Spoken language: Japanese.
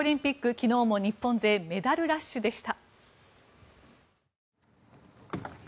昨日も日本勢メダルラッシュでした。